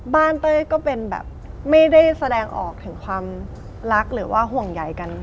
เต้ยก็เป็นแบบไม่ได้แสดงออกถึงความรักหรือว่าห่วงใหญ่กัน